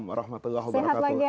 sehat pak kiai